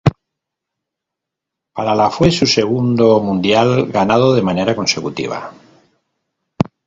Para la fue su segundo mundial ganado de manera consecutiva.